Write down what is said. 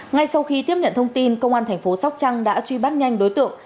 ngay sau khi tiếp nhận thông tin công an thành phố sóc trăng đã truy bắt nhanh đối tượng